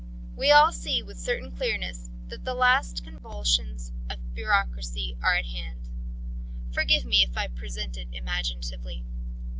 "We all see with certain clearness that the last convulsions of the bureaucracy are at hand. Forgive me if I present it imaginatively.